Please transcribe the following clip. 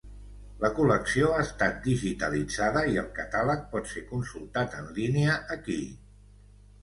La col·lecció ha estat digitalitzada i el catàleg pot ser consultat en línia aquí.